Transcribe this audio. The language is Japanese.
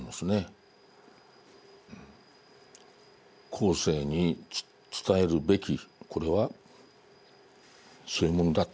後世に伝えるべきこれはそういうものだと。